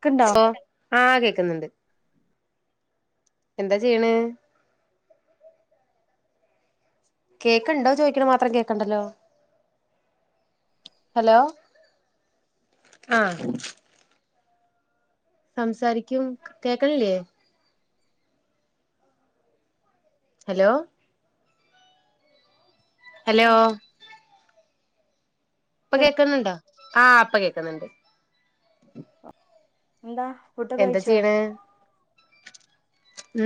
ക്ക്‌ണ്ടോ? ഓഹ്. ആഹ് കേക്ക്ന്ന്ണ്ട്. എന്താ ഛേയ്യ്ണെ. കേക്ക്ണ്ടോ ചോയ്ക്ക്ണ് മാത്രം കേക്ക്ണ്ടല്ലോ? ഹലോ ആഹ് സംസാരിക്യൂ. കേക്ക്ണില്യേ. ഹലോ ഹലോ പ്പ കേക്ക്ന്ന്ണ്ടോ? ആഹ് പ്പ കേക്ക്ന്ന്ണ്ട്. ന്താ എന്താ ചിയ്യ്ണേ.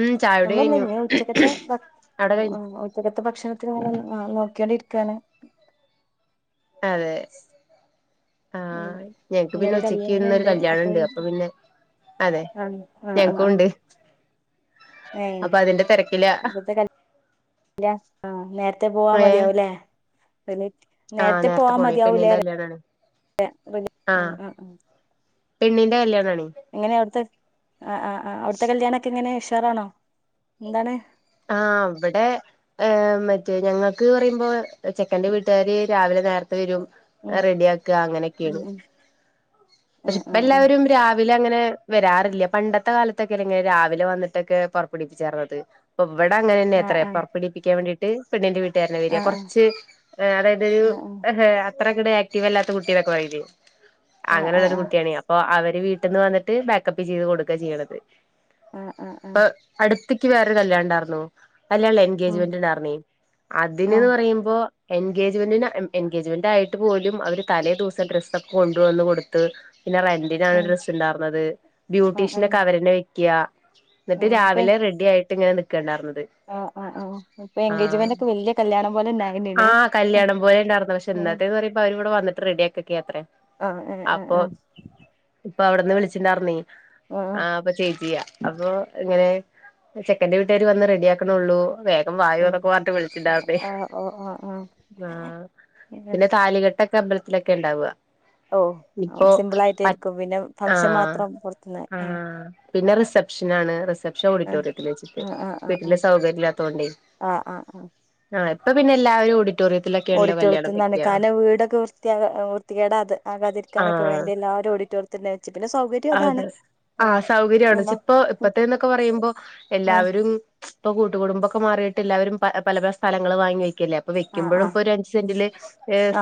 ഉം ചായുടി ഒന്നൂല്ല. കഴിഞ്ഞു ഞ്ഞ് ഉച്ചക്കത്തെ ഭ അവിടെ ഉം കഴിഞ്ഞു ആഹ് ഉച്ചക്കത്തെ ഭക്ഷണത്തിന്ങ്ങനെ ആഹ് നോക്യോണ്ടിരിക്കാണ്. അതെ ഉം ആഹ് ഞങ്ങക്ക് പിന്നെ ഇന്നൊരു ഉച്ചക്ക് കല്യാണ ഇന്നൊരു ണ്ട്. കല്യാണം അപ്പൊ ഉണ്ട് യേ ക്യു പിന്നെ അതെ ആണോ. ആഹ് ആഹ് ഞങ്ങക്കും ആഹ്. ഉണ്ട് ഏഹ്. അപ്പൊ അതിന്റെ തിരക്കില പ്പത്തെ ക ല്യാ ണ്ടോ. ആഹ് നേര്ത്തെ പോവാ ഏഹ് മതിയാവുല്ലേ. [unintelligible] ആഹ്. നേര്ത്തെ പോണെയ്. പെണ്ണിന്റെ കല്യാണാണ്. ആഹ്. പെണ്ണിന്റെ കല്യാണാണയ് എങ്ങനെ അവ്ട്ത്തെ ആഹ് അഹ് ആഹ് അവ്ട്ത്തെ കല്യാണെക്കെ ങ്ങനെ ഉഷാറാണോ? ന്താണ്. ആഹ് വടെ ഹ് മറ്റേ ഞങ്ങക്ക് പറയ്മ്പോ ചെക്കന്റെ വീട്ടാര് രാവിലെ നേർത്തെ വരും. ഉം അഹ് റെഡ്യാക്ക. ഉം അങ്ങനെക്കെണ്. ഉം ഉം പക്ഷെ പ്പ ഉം ഉം ല്ലാവരും രാ വിലങ്ങനെ വരാറില്യ. പണ്ടത്തെ കാലത്തൊക്കെല്ലങ്ങനെ രാവിലെ വന്ന്ട്ടക്കെ പോറപ്പെടീപ്പിച്ചേർന്നത് പ്പ വടെ അങ്ങനെന്നെ ആഹ് ത്രേ ആഹ് പോർപ്പെടീപ്പിക്കാൻ വേണ്ടി ട്ട് പെണ്ണിന്റെ വീട്ടാരന്നെ വേര. ആഹ് കൊർച്ച് ഹ് അതായത് ഹ് ആഹ് എഹെ അത്രങ്ങട്ട് ആക്റ്റീവല്ലാത്ത കുട്ടി ന്നെക്കെ പറില്യേ. ആഹ് ആഹ് ആഹ് അങ്ങനെള്ളൊരു ആഹ് കുട്ടിയാണെ. അപ്പൊ അവര് വീട്ടിന്ന് വന്ന്ട്ട് ബാക്കപ്പ് ചീത് കൊട്ക്കാ ചിയ്യ്ണത്. ആഹ് ആഹ് ആഹ് ആഹ് പ്പ അട്ത്ത്ക്കി വേറൊരു കല്യാണണ്ടാർന്നു. കല്യാൺല്ല എൻ ആഹ് ഗേജ്മെന്റ്ണ്ടാർന്നെ. ആഹ് അതിന്ന്ന് പറിയ്മ്പോ എൻഗേജ്മെന്റിന് എൻഗേജ്മെന്റായിട്ട് പോലും അവര് തലേ ദൂസം ഡ്രസ്സോക്കെ കൊ ണ്ട് വന്ന് കൊട്ത്ത്. പിന്നെ റെന്റിനാണ് ആഹ് ഡ്രസ്സ്ണ്ടാർന്നത്. ആഹ് ആഹ് ബ്യൂട്ടീഷ്നൊക്കെ അവരന്നെ വെക്ക്യ. ന്ന്ട്ട് ആഹ് ഇപ്പെ രാവിലെ റെഡ്യായിട്ട് ങ്ങനെ നിക്കണ്ടാർന്നത്. ആഹ് ആഹ് ആഹ് പ്പ എൻഗേജ്മെന്റ് ക്കെ വെല്യ കല്യാണം പോലെ ന്നായീന് ലെ ആഹ് കല്യാണം പോലെ ണ്ടാർന്ന്. പഷേ ന്നത്തേന്ന് പറിമ്പോ അവരവടെ വന്ന്ട്ട് റെഡിയാക്കെക്കാത്രേ ആഹ് ആഹ് ഏഹ് അപ്പൊ ഏഹ് ഇപ്പ അവ്ട്ന്ന് വിളിച്ച്ണ്ടർന്നെ ഏഹ് ആഹ് ആ അപ്പ ചേച്ചി അപ്പൊ ഇങ്ങനെ ചെക്കന്റെ വീട്ടുകർ വന്ന് റെഡി ആക്കണള്ളൂ വേ ആഹ് വായോന്നൊക്കെ പർഞ്ഞ്ട്ട് വിളിച്ച്ണ്ടാവെ ആഹ് ഓഹ് ആഹ് ആഹ് ആ ഏഹ് പിന്നെ താലി കെ ട്ടേക്കെ അമ്പൽത്തിലെക്കെ ഇണ്ടാവ ഓഹ് ഇപ്പൊ സിമ്പിൾ പ ആയിട്ടായിരിക്കും പിന്നെ ഫംഗ്ഷൻ ആഹ് മാത്രം പുറത്തുന്ന് ആഹ് പിന്നെ റിസപ്ഷനാണ് റിസ പ്പ്ഷം ആഹ് ഓഡിറ്റോറിയത്തില് വെച്ച്ട്ട് ആഹ് ആഹ് ആഹ് വീട്ട്ല് ആഹ് സൗകര്യല്ലാത്തോണ്ടേ ആഹ് ആഹ് ആഹ് ആ പ്പ പിന്നെ എല്ലാവരും ഓഡി ഓഡിറ്റോറിത്ത്ന്നാണ് കാരണം വീടൊക്കെ വൃത്തിയാക വൃത്തികെടാത്തെ ആകാതിരിക്കാനക്കെ ആ വേണ്ടി എല്ലാരും ഓഡിറ്റോറിയത്തിന്റെ വെച്ച് പിന്നെ സൗകര്യം അതാണ് അതെ ആ ആഹ് സൗകര്യാണ്ച്ച ആഹ് ഇപ്പൊ ഇപ്പത്തെ ന്നൊക്കെ പറയ്മ്പോ എല്ലാവരും ഇപ്പൊ കൂട്ട്കുടുംബൊക്കെ മാറീട്ട് എല്ലാവരും പ പല പല സ്ഥലങ്ങള് വാങ്ങി വെക്ക്യല്ലേ ഇപ്പൊ വെക്ക്യമ്പഴും ആഹ് ഇപ്പൊരു അഞ്ച് സെന്റില്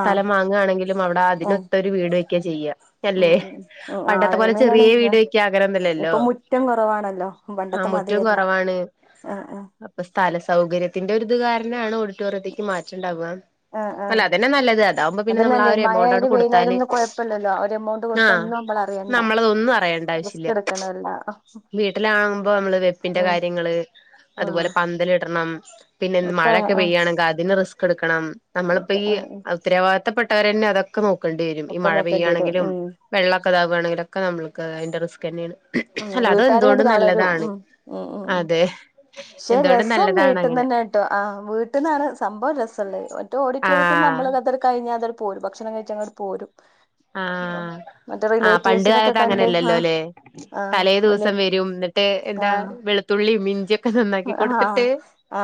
ആഹ് വാങ്ങാണെങ്കിലും അവടെ ആഹ് അതിനൊത്തോ രു വീട് വെക്ക്യ ചെയ്യാ ഉം അല്ലേ ഉം ഉഉം ഓ ആ പണ്ടത്തെ പോലെ അതങ്ങനെ ചെറിയ വീട് വെക്കാ അങ്ങനൊന്നുല്ലല്ലോ ഇപ്പൊ മുറ്റം കുറവാണല്ലോ ആ പണ്ടത്തെ മുറ്റവും മതിരില്ല കുറവാണ് ആഹ് ആഹ് അപ്പൊ സ്ഥല സൗകര്യത്തിന്റെ ഒരിത് കാരണാണ് ഓഡിറ്റോറിയത്തേക്ക് മാറ്റേണ്ടാവുക ആ ആ അല്ല അതന്നെ നല്ലത് അതാവുമ്പോ പിന്നെ നമ്മൾ ആ അതന്നല്ലേ ഒരു എമൗണ്ട് ആണ് മഴയായാലും വെയിലായാലും കൊടുത്താല് ഒന്നും കുഴപ്പമില്ലല്ലോ ഒരു എമൗണ്ട് കൊടുത്ത ആഹ ഒന്നും നമ്മൾ അറിയണ്ട നമ്മളതൊന്നും അറയണ്ട ആവശ്യില്ല റിസ്ക് എടുക്കണല്ല വീട്ടിലാങ്ങുമ്പോ നമ്മള് വെപ്പിന്റെ ഉം കാര്യങ്ങള് ആ അതുപോലെ പന്തലിടണം പിന്നെന്ത് ഒക്കെ മഴയൊക്കെ ആ പെയ്യാണ് റിസ്ക് എടുക്കണം നമ്മളിപ്പോ ഒക്കെ ഈ ആ ഉത്തരവാദിത്തപ്പെട്ടവരന്നെ അതൊക്കെ ഒക്കെ നോക്കേണ്ടിരുംഈ ഒക്കെ മഴ നോക്കേണ്ടി വരും പെയ്യുകയാണെങ്കില ഉം വെള്ളൊക്കെതകുകണെിലക്കെ നമ്മക്ക് അതിന്റെറെ റിസ്ക് തന്നെയാണ് ഉം അല്ല അത് വീട്ടാരുംങ്ങോട്ട് എന്തുകൊണ്ടും തളരും നല്ലതാണ് ഉം ഉ ഉ ഉ അതെ പക്ഷെ എന്തുകൊണ്ടും രസം നല്ലതാണ് വീട്ടന്ന് അങ്ങനെ തന്നെ ആഹ് വീട്ടിൽന്നാണ് സംഭവം രസള്ളത് മറ്റ ഓഡിറ്റോറിയത്തിൽ ആഹ് നമ്മള് തൊക്കെ കഴിഞ്ഞാ അതൊ പോരും ഭക്ഷണം കഴിച്ചച്ച് അങ്ങോട്ട് പോരും ആഹ മറ്റേ ആഹ പണ്ട് റിലേറ്റീവ്സിനൊക്കെ കാലത്ത് കണ്ട് ആ അങ്ങനെയല്ലല്ലോ അല്ലേ ആഹ് തലേ ദിവസം റിലേറ്റ് വരും എന്നിട്ട് എന്താ വെളുത്തുള്ളി ഇഞ്ചി ആഹ ആ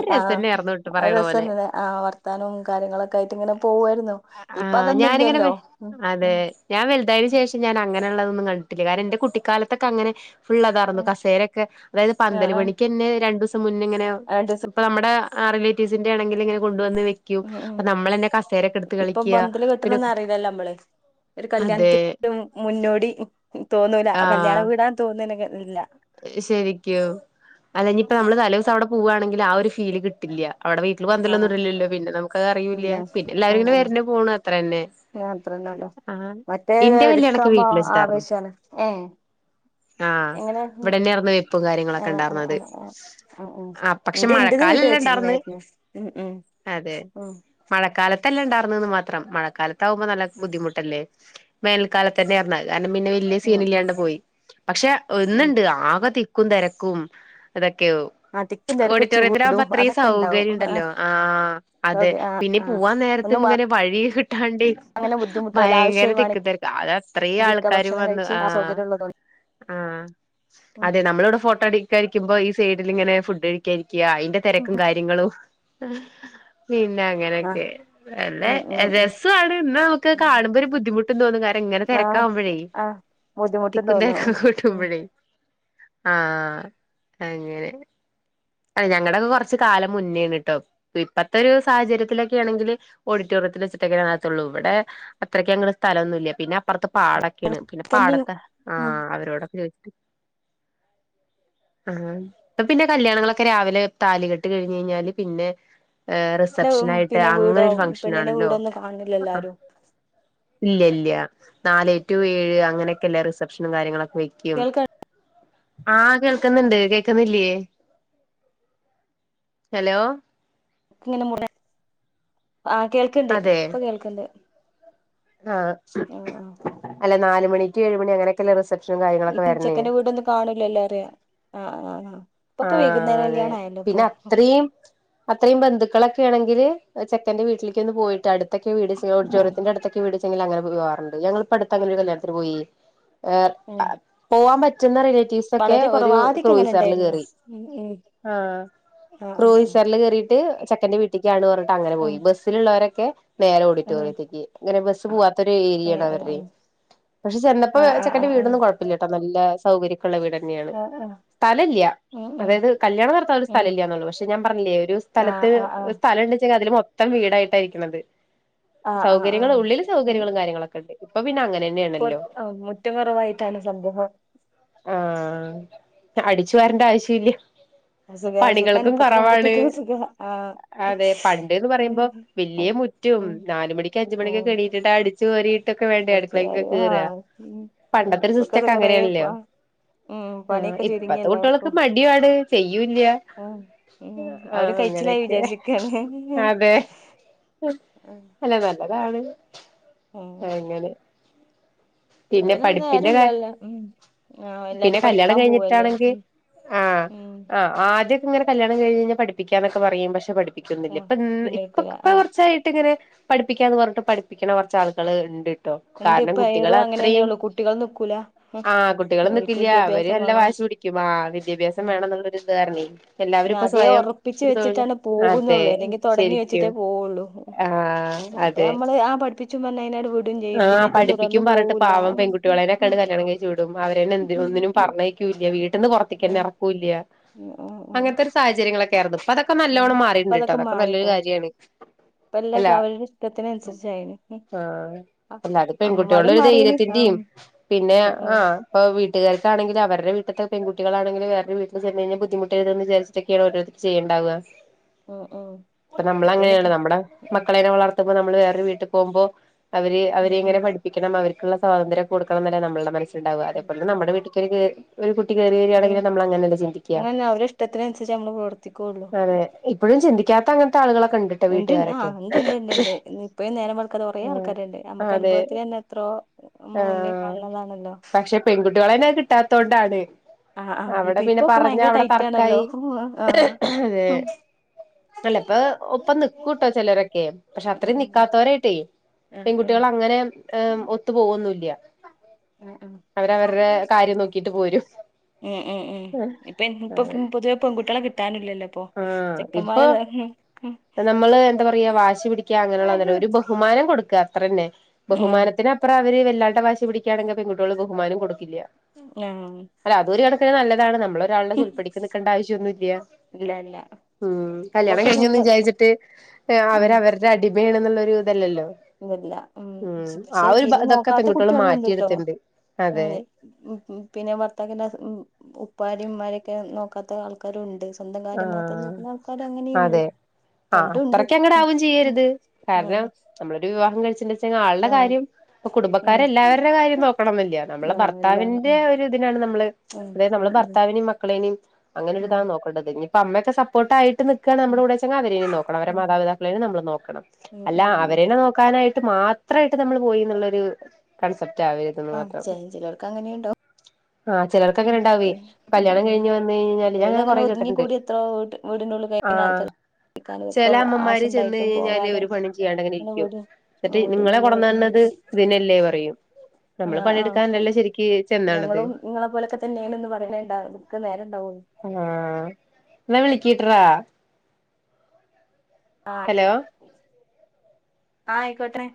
ഒരു ആ രസന്നെയാർന്നു ട്ടോ പറയണ പോലെ രസംന്ന ആഹ് വത്താനും കാര്യങ്ങളൊക്കെ ആയിട്ട് ഇങ്ങനെ പോകുവായിരുന്നു ഇപ്പ ആഹ് ഞാനിങ്ങനെ അതൊന്നുംഇല്ലല്ലോ വെ ഉ അതെ ഞാൻ വലുതായതിനന് ശേഷം ഞാൻ അങ്ങനെയുള്ളതൊന്നും കണ്ടിട്ടില്ല കാരണം എൻന്റെ കുട്ടിക്കാലത്തൊക്കെ അങ്ങനെ ഫുൾ അതാറന്നു ഉം കസേരൊക്കെ അതായത് ആഹ് പന്തൽ ആഹ് പണിക്ക് തന്നെ രണ്ടു ദിവസം മുന്ന ഇങ്ങനെ രണ്ടീസം അപ്പ നമ്മുടെ റിലേറ്റീവ്സിന്റെ ആണെങ്കിൽ ഇങ്ങെ കൊണ്ടുവന്ന് വ ഉം ഉം അപ്പൊ നമ്മള തന്നെ കസേരൊക്കെ എടുത്ത് കളിക്ക പി ഇതല്ല നമ്മളെ ഒരു കല്യാണത്തിന്റെ മുന്നോടി തോന്നൂല കല്യാണം വിടാൻ തോന്ന ഇല്ല ശരികും അല്ലെ ഇപ്പ നമ്മള് തല ദിവസം അവിടെ പോവുവാണെങ്കിൽ ആ ഒരു ഫീൽ കിട്ടില്ല അവിടെ വീട്ടിൽ ആഹ് പന്തല്ലോന്നും ഇല്ലോ പിന്നെ നമുക്കത് ഇല്ല അറിയില്ല പിന്നെ എല്ലാവുംങ്ങന വരുന്ന പോണ അത്ര തന്നെ യാത്രന്നല്ലോ ആഹ് മറ്റേത് ഇന്റെ കല്യാണൊക്കെ ഒരുക്കാപോ വീട്ടിൽ വെച്ചിട്ടായിരുന്നു ആവേശമാണ് ഏ ആഹ് ഇവിടെന്നെർന്ന് വെപ്പും കാര്യങ്ങളൊക്കെ ആഹ് ആഹ് ഉണ്ടായിർന്നുന്നത് ആഹ് ആഹ് ആഹ് ആഹ് ആ പക്ഷെ ഇന്റെ ഇന്റത് വീട്ടി മഴക്കാലല്ല ഇണ്ടായിർന്ന് വെച്ചിട്ടുണ്ടായിരുന്നു ഉം ഉം അതെ മഴക്കാലത്തല്ലേ ഉണ്ടായിർന്നന്ന് മാത്രം മഴക്കാലത്ത ആവുമ്പോ നല്ല ബുദ്ധിമുട്ടല്ലേ വേനൽക്കാലത്ത തന്നെ ആറന്നാത് കാരണം പിന്നെ വലിയ ഉം ഉം സീന ഉം ഇല്ലാണ്ട് പോയി പക്ഷെ ഉം ഒന്നുണ്ട് ആ ആകെ തിക്കും തിരക്കും ഇതൊക്കെയ അതിക്കും തിരക്കും ഓഡിറ്റോറിയത്തില ആകുമ്പോ ചൂടും അത്രയും അതൊക്കെ സൗകര്യം ഉണ്ടാവും ആഹ് ഉണ്ടല്ലോ ആ അതെ ആഹ് പിന്നെ ആഹ് പോവാൻ നേരത്തെ ത്ത് ഒന്നും ഇങ്ങനെ വഴി കിട്ടാണ്ട് അങ്ങനെ ബുദ്ധിമുട്ടല്ല ഭയങ്കര ആവശ്യായി വേണെങ്കി തിക്കും തെർക്ക് അത അത്രയും ഇരിക്ക ആൾക്കാാര് ഭക്ഷണം വന്നു കഴിച്ച് ആ സൗകര്യം ഉള്ളതോണ്ട് ആഹ ആ അതെ നമ്മളിവിടെ ഫോട്ടോ അഡിക്ടായിരിക്കുമ്പോ ഈ സൈഡിൽ ഇങ്ങനെ ഫുഡ് രിക്ക അതിന്റെ തിരക്കും കാര്യങ്ങളും പിന്നെ ആഹ് അങ്ങനെയൊക്കെ അല്ലെ ഉം ഉം ഉം രസമാണ് ഇന്ന നമുക്ക് കാണുമ്പോ ഒരു ബുദ്ധിമുട്ട് തോന്നും കാര്യ ഇങ്ങനെ തിരക്കാകുമ്പോഴേ ആഹ ബുദ്ധിമുട്ട് തോന്നും ഉ കൂട്ടുമ്പോഴേ ആഹ് അങ്ങനെ അത് ഞങ്ങളുടെൊക്കെ കൊറച്ചു കാലം മുന്നേണിട്ടോ ഇപ്പത്തെ ഒരു സാഹചര്യത്തിലൊക്കെ ആണെങ്കില് ഓഡിറ്റോറിയത്തി വെച്ചിട്ടേനെ നടത്തള്ളൂ ഇവിടെ അത്രക്ക അങ്ങന സ്ഥലൊന്നും ഇല്ല പിന്നെ അപ്പറത് പാടെ ക്കേണ് പിന്നെ ക്കന്റിം പാടത്തെ ആ ഉം അവരോടൊക്കെ ചോയിച്ചി് ആഹ് ഇപ്പ പിന്നെ കല്യാണങ്ങളൊക്കെ കെ രാവിലെ താലികെട്ട് കഴിഞ്ഞ് കഴിഞ്ഞാല് പിന്നെ എ റിസെപ്ഷൻ ആയിട്ട് പിന്നെ വീടോ അങ്ങനെരു ഫംഗഷൻ പെണ്ണിന്റെ ആണല്ലോ വീടൊന്നും കാണില്ലല്ലോ ആ ആരും ഇല്ല ഇല്ല നാല് ടു ഏഴ് അങ്ങനെയൊക്കെല്ല റിസപ്ഷനും കാര്യങ്ങളൊക്കെ വെക്കും കേൾക്ക ആഹ കേൾക്കുന്നുണ്ട് കേൾക്കുന്നില്ലയേ ഹലോ ഇങ്ങനെ മു ആ ഹ് കേൾക്കണ്ട് അതെ ഇപ്പൊ കേൾക്കണ്ട് ആഹ് അല്ല ന്നാല്മണി റ്റു ഏഴ് മണി അങ്ങനെയൊക്കെല്ല റിസെപ്ഷനും കാര് ഇ ചെക്കന്റെ വീടൊന്നും കാണൂലല്ല അറിയ ആഹ് ആഹ് ആഹ്. ഇപ്പൊക്കെ ആഹ് വൈകുന്നേര അതെ കല്യാണ ആയല്ലോ ഇപ്പൊ പിന്നെ അത്രിം അത്രിം ബന്ധുക്കളൊക്കെ ഏണെങ്കില് ചെക്കൻന്റെ വീട്ടിലേക്ക് ഒന്ന് പോയിട്ട് അടുത്തൊക്കെ വീട്ച്ച ഉം ഓഡിറ്റൊറിയത്തിന്റെ അടുത്തൊക്കെ വീട്ച്ചെങ്കി അങ്ങനെ പോവാറുണ്ട് ഞങ്ങൾപ്പോ അടുത്ത അങ്ങനെ ഒരു കല്യാണത്തിന് പോയി. ഉം പോവാൻ പറ്റുന്ന റിലേറ്റീവ്സ് ഒക്കെ വളരെ ഒരു കുറവ് ആദ്യൊക്കെ അങ്ങനെ ക്രൂയിസറിൽ ഉണ്ടായിരുന്നു കേറി. ഉം ഉം ആഹ് ആഹ് ക്രൂയിസറിൽ കേറിട്ട് ചെക്കന്റെ വീട് ട്ട്ക്കാണോ പർഞ്ഞ്ട്ട് ആഹ് അങ്ങെനെപോയി ബസ്സിലുള്ളൊരോക്ക ന്നേരേ ആഹ് ഉം ഉം ഓഡിറ്റോറിയത്തേക്ക് അങ്ങനെ ബസ്സ് പോവാ ത്തോരു അതെ ഏരിയാണ് അവരെ ഉം പഷെ ചെന്നപ്പോ ആഹ് ആഹ് ചെക്കന്റെ ആഹ് വീടൊന്നും ക്കൊഴപ്പല്ലട്ടോ ന്നല്ല സൗകര്യം ക്കള്ള വീടെന്നെയാണ് ആഹ് ആഹ് ആഹ് സ്ഥലല്ല്യാ ഉം ഉം അതായത് കല്യാണം ന്നടത്തൻ ഒരു ഉം സ്ഥലമല്ലന്നൊള്ളു പഷെ ഞാൻപർഞ്ഞില്ലേ ഒരു ആഹ് സ്ഥലത്ത് ആഹ് ഒരു സ്ഥലണ്ടെചെങ്കി അതില് മൊത് ത്തം വീടായിട്ടായിരിക്ക്ണത് ആഹ് ആഹ് ആഹ് സൗകര്യങ്ങൾ ആഹ് ഉള്ളിൽ സൗകര്യങ്ങളും കാര്യങ്ങളൊക്കെ ഉണ്ട് ഇപ്പൊ പിന്നെ അങ്ങനെന്നെയാണ്. പോർത് ഔ മുറ്റം കൊറവായിട്ടാണ് സംഭവം ആഹ് അടിച്ചു വരണ്ട ആവശ്യ ഇല്ല്യാ സുഖ സുഖാണ് പണികൾക്കും ഇപ്പത്തെ കൊറവാണ് പെൺകുട്ടികൾക്ക് സുഖ ആഹ് അതെ പണ്ട്ന്ന് ഉം പറയുമ്പോ വെല്ല്യെ മുറ്റോം ഉം ന്നാലുമണിക്ക് ഉം അഞ്ചുമണിക്കൊക്കെണീട്ടിട്ടാ അടി ച്ച് വാരിട്ടൊക്കെ വേണ്ടെ അടിച്ചു അടുക്കളക്കൊക്കെ വാരി കെറ ആഹ് ഉം ഉം പണ്ടത്തെ ഒരു സിസ്റ്റ ഇവക്കത് ഒക്കെ കൊറേ പ അങ്ങനെണല്ലോ. ഉം ആഹ് പണിയൊക്കെ ചുരുങ്ങി ഇപ്പത്തെ കുട്ട്യാള് എല്ലാർക്കും മടി ആണ് ചെയ്യൂല്ല ഉം ആഹ് അങ്ങനെയൊക്കെ ക്ക്യാണ് അതെ ആഹ് അല്ല ന്നല്ലതാണ് അങ്ങനെ ഇപ്പ പിന്നെ അയിനൊന്നും പഠിപ്പിന്റെ കാ ന്നേരല്ലലോ ഉം ആഹ് പിന്നെ എല്ലാരും കല്യാണം പഠിക്കാൻ പോവല്ലേ. ഉം ആഹ് ആദ്യക്കെ ഇങ്ങെനെ കല്യാണം കഴിഞ്ഞ് കയ്ഞ്ഞാ പഠിപ്പിക്കന്നൊക്കെ പറയും പഷെ പഠിപ് പ്പിക്കൊന്നുല്ല്യ ആഹ് ഇപ്പന്ന് പിന്നെ ഇപ്പൊ എടുക്കൂല ഇപ്പ ആഹ് കൊർച്ചായിട്ട് ഇങ്ങനെ പഠിപ്പിക്കാന്ന് പർഞ്ഞിട്ട് പഠിപ്പിക്ക്ണ കൊർച്ച് ആളുകള് ഇണ്ട് ട്ടോ ഇണ്ട് കാരണം ഇപ്പ കുട്ടികള് ഏറും അത്രിം അങ്ങനെന്നെള്ളു കുട്ടികൾ നിക്കൂല ആഹ് കുട്ടികള് ഓൽക്ക് നിക്കില്ല്യ അവര് വിദ്യാഭ്യാസം നല്ല വേണം വാശി പിട് ക്ക്യും ആഹ് വിദ്യാഭ്യാസം ഉം വേണംന്ന്ള്ളൊരു ഇത് കാരണേയ് എല്ലാവരും പിന്നെ ഇപ്പൊ അതേ സ്വയം ഒറപ്പിച്ച് ഒരു തൊഴില് വെച്ചിട്ടാണ് അതെ പോകുന്നുള്ളൂ അല്ലെങ്കി തൊടങ്ങി ശെരിക്കും. വെച്ചിട്ടേ പോവുള്ളൂ ആഹ് മറ്റേ അതെ നമ്മള് ആ പഠിപ്പിച്ചും പറഞ്ഞ് അതിനട് വിടും ചെയ്യും ആഹ് പിന്നെറ്റെ തുടർന്ന് പഠിപ്പിക്ക്യും പർഞ്ഞിട്ട് പോവൂല്ല പാവം പെൺകുട്ട് ട്ട്യോളെനെക്കാണ്ട് കല്യാണം കയ്ച്ച് വിടും അവര്ന്നെ എന്തിനും ഒന്നിനും പർഞ്ഞെയ് ക്ക്‌യുല്ല്യ വീട്ട്ന്ന് ഏ പൊറത്ത്ക്കെന്നെ എറക്കൂല്ല്യ ആ ആ അങ്ങൻത്തൊരു സാഹചര്യങ്ങളൊക്കെ ആർന്നു. പ്പ അതൊക്കെ ആ ന്നല്ലോണം ഇപ്പ മാറിട്ട്ണ്ട്ട്ടോ അതൊക്കെ നല്ലൊരു മാറിട്ടോ കാര്യണ്. ഇപ്പ എല്ലാ കാര്യം അവര്ടെ ഇഷ്ടത്തിനനുസരിച്ചായിണ് ഉം അല്ലത് പെൺകുട്ട്യോളൊരു മാറീന് ആ ധൈര്യത്തിന്റിം ഉം പിന്നെ ഉം ആഹ്. പ്പൊ വീട്ട്കാര്ണെങ്കിലും അവര്ടെ വീട്ട്ത്തെ പെൺകുട്ട് ട്ടിളാണെങ്കിലും വേറൊരു വീട്ടില് ചെന്ന് കഴിഞ്ഞാ ബുദ്ധിമുട്ടെരും ന്ന് വിചരിച്ചിട്ടൊക്കെയാണ് ഓരോര്ത്തര് ചെയ്യ്ണ്ടാവ. ഉം ഉം ഇപ്പ ഇപ്പയ്ന് ന്നമ്മളങ്ങനെയാണ് ന്നമ്മടെ ഉം മക്കളെനെ വളർത്തുമ്പോ ന്നമ്മള് വേറൊരു വീട്ട് പോവുമ്പോ അവര് അവരെ ഉം എങ്ങനെ പഠിപ്പിക്കണം അവർക്ക്ള്ള സ്വാതന്ത്രം കൊടുക്കണംന്നല്ലെ നമ്മൾടെ മനസ് ല്ണ്ടാവ അതെപോലെ ന്നമ്മടെ ഉം വീട്ട്ക്കൊരു കേ ഒരു കുട്ടി കേറി അതെ വെരാണെങ്കിലും ന്നമ്മൾ അങ്ങൻനെല്ലെ ചിന്തിക്കാ അങ്ങനന്നെ അവരെ ഇഷ്ടത്തിനനുസരിച്ച് നമ്മള് പ്രവർത്തിക്കുള്ളൂ അതെ. ഇപ്പഴും ചിന്തിക്കാത്ത അങ്ങൻത്തെ ആള്കളൊക്കെ ഇണ്ട്. ഇണ്ട് ഞാഹ് ഇണ്ട് ഇണ്ട് ഇണ്ട്ണ്ട് ഇപ്പഴും ന്നേരം വെൾക്കാത്താ കൊറേ ആഹ് ആൾക്കാര്ണ്ട് ഞമ്മക്ക് അതെ അനുഭവത്തിലെന്നെ എത്രോ ഞമ്മള് മുന്ന് കാണ് ണതാണല്ലോ. പെൺകുട്ട്യോളെന്നെ അഹ് കിട്ടാത്തോൺണ്ടാണ്. ആഹ് ആഹ് അവടെ ഇപ്പൊ പിന്നെ ഇപ്പൊ പറഞ്ഞ ഭയങ്കര അവ്ടെ ടൈറ്റ് ആണല്ലോ തർക്കായി ആഹ് അതെ ഉം പ്പെ അല്ല ഇപ്പൊ ഒപ്പംന്ന്ക്കുട്ടോ ചെലരൊക്കെ പക്ഷെ ഉം അത്രിം ന്നിക്കാത്തോരായ്ട്ടേയ്. ആഹ് ആഹ് പെൺകുട്ട്യാള് അങ്ങനെ ഏഹ് ഒത്ത് പോവൊന്നുല്ല്യ ആഹ് ആഹ് അവര് അവര്ടെ കാര്യം ന്നോക്കിയിട്ട് പോരും. ഉം ഉം ഉം ഇപ്പൊ ഇന്ന്പ്പോ അതെ പ്പ്ത് പുതിയ പെൺകുട്ട്യാളെ കിട്ടാനില്ലല്ലോ ഇ പ്പൊ ആഹ് ചെക്കന്മാര് ഇപ്പൊ എല്ലാര്നും ഉം നമ്മള് എന്താ പറയ വാശി പിടിക്ക്യ അങ്ങനെള്ളതല്ല ഒരു ബഹുമാനം കൊട്ക്ക അത്രന്നെ ഉം ബഹുമാനത്തിന് അ ത്ര അവര് വല്ലാണ്ടെ വാശി പിടിക്കാണെങ്കി പെൺകുട്ട്യേള് ബഹുമാനം കൊടുക്കില്ല്യ ആഹ് അല്ല അതൊരു കണക്കിന് നല്ലതാണ് നമ്മള് ഒരാൾടെ ചൊൽപ്പടിക്ക് നിക്കണ്ട ആവശ്യൊന്നും ഇല്ല്യാ ഇല്ല ഇല്ല ഉം കല്യാണം ഇപ്പൊക്കെ കഴിഞ്ഞെന്ന് സ്വന്തം വിചാരിച്ചിട്ട് ഉം അവര് അവര്ടെ അടിമയേണ്ന്ന്ള്ളൊരു ഇതല്ലല്ലോ. ഊ അല്ല ഉം ആ പക്ഷെ ഒരു തീരേ ഇതൊക്കെ നോക്കാത്ത പെൺകുട്ടികൾ കുട്ട്യേളും ഇണ്ട് ട്ടോ. മാറ്റിയെടുത്തിണ്ട് അതെ ഇണ്ട് ഉം പിന്നെ ഭർത്താക്കന്റെ അസ് ഉം ഉപ്പാരിം ഉമ്മാരെക്കെ നോക്കാത്ത ആൾ ക്കാരും ഉണ്ട് സ്വന്തം കാര്യം മാത്രം ആഹ് നോക്ക്‌ന്ന ആൾക്കാരും അങ്ങനെയും ഇണ്ട്. അതെ ആഹ് അത്രക്ക്‌ അങ്ങട് ആവും ചെയ്യര്ത്. കാരണം ആഹ് നമ്മളൊരു വിവാഹം കഴിച്ച്ണ്ട്ച്ച് ച്ചെങ്ങെ ആൾടെ ആഹ് കാര്യം പ്പൊ ഉം കുടുംബക്കാരെ എല്ലാവര്ടെ കാര്യം നോക്കണംന്നില്ല നമ്മളെ ആല്ല ഭർത്താവിന്റെ ഉം ഒര് ഇതിനാണ് നമ്മള് ഉം അതായത് നമ്മള് ഉം ഉം ഭർത്തവിനിം മക്കളേനിം അങ്ങനെ ഒരു ഇതാ ഉം നോക്ക ക്കണ്ടത് ഇനിപ്പ അമ്മക്കെ സപ്പോട്ടായിട്ട് നിക്കാണ് ഉം നമ്മടെ കൂടേയ്ച്ചെങ്ങെ അവരേയും നോക്കണം. അവരെ ഉം മാതാപതാക്കളേനിം നമ്മള് നോക്കണം. ഉം അല്ല ഉം അവര്ന്നെ നോക്കാനായിട്ട് മാത്രായിട്ട് നമ്മൾ പോയിന്ന് ഇള്ളൊരു കൺസെപ്റ്റ് അവര് ആഹ് ചേയ് ചെലോൽക്ക് അങ്ങനെയും ഇണ്ടാവും ആഹ് ചേലോൽക്കങ്ങനെ ഇണ്ടാവെയ് കല്യാണം കഴിഞ് വന്ന് കഴിഞ്ഞാല് ഞാ അങ്ങനെ കൊറേ കേട്ട് ഇഞ്ഞി കുടി എത്രോ വീട്ട് വീട്ന്റുള്ള് കഴിയ്ന്ന ആൾക്കാര് ചെല അമ്മമാര് ചെന്ന് കഴിഞ്ഞാല് പോകാതെ ഒരു പണിം ചെയ്യാണ്ട് അങ്ങനെ ഇരിക്കും. ഇന്നട്ട് ആഹ് നിങ്ങളെ വീടിനുള്ളിൽ കൊടന്ന്ണത് ഒതുങ്ങി ഇതിനല്ലേ പറയും. നമ്മള് പണിയെടുക്കാൻല്ലേ ശെരിക്കക്ക് ചെന്നാണത്. ഇങ്ങളെ പോലൊക്കെ തന്ണ്ന്ന് പറയണ്ടക്ക് നേരം ഉണ്ടാവൂ ആഹ് നവിളിട്ട്ര ആഹ അട്ടെ ഹലോ ആഹ് ആയിക്കോട്ടേ.